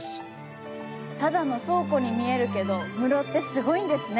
ただの倉庫に見えるけど室ってすごいんですね！